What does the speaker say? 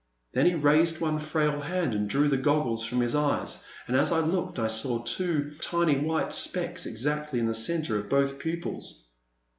Then he raised one frail hand and drew the goggles from his eyes, and, as I looked, I saw two tiny white specks exactly in the centre of both pupils.